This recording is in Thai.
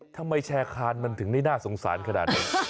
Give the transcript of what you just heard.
แชร์คานมันถึงได้น่าสงสารขนาดนี้